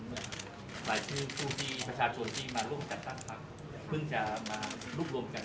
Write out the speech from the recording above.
หลายชื่อผู้ที่ประชาชนที่มาร่วมกับสรรพักษณ์เพิ่งจะมารูปรวมกัน